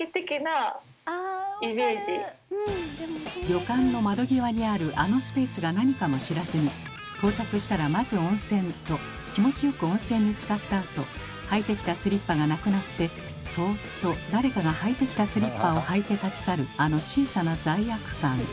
旅館の窓際にある「あのスペース」が何かも知らずに「到着したらまず温泉」と気持ちよく温泉につかったあと履いてきたスリッパがなくなってそっと誰かが履いてきたスリッパを履いて立ち去るあの小さな罪悪感。